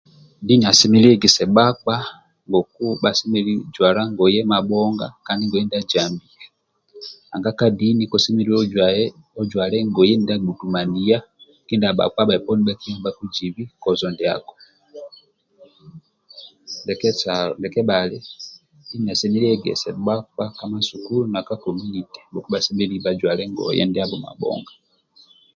Dini asemelelu abhuegese bhakpa ngoku bhasemelelu jwala ngoye mabhonga Kandi ngoye ndia ajambiya anga ka dini kosemelelu jwala ngoye magbutumana kindia bhakpa bhakilika nibhazibi kozo ndiako, ndia kesalo ndia kebhali, dini asemelelu egese bhakpa ka masukulu na ka komyunite nesi bhasemelelu jwala ngoye ndiabho majamba